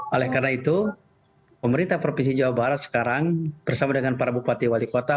oleh karena itu pemerintah provinsi jawa barat sekarang bersama dengan para bupati wali kota